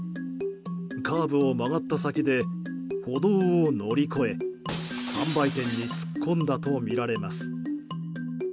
カーブを曲がった先で歩道を乗り越え販売店に突っ込んだとみられます。